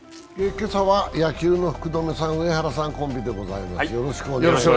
今朝は野球の福留さん、上原さんコンビでございます。